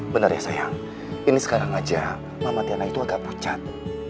benar ya sayang ini sekarang aja mama tiana itu agak pucat